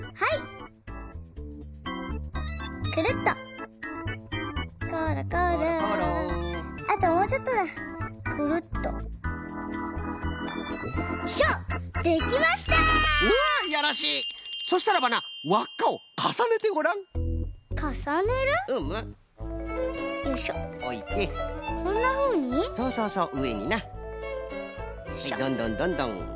はいどんどんどんどん！